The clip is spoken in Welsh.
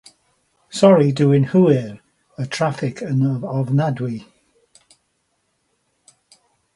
Sori, dwi'n hwyr - y traffig yn ofnadwy.